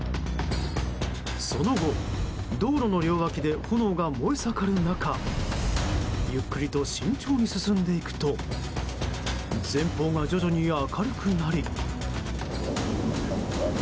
その後道路の両脇で炎が燃え盛る中ゆっくりと慎重に進んでいくと前方が徐々に明るくなり。